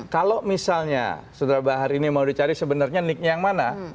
kalau misalnya sodrabahar ini mau dicari sebenarnya nick nya yang mana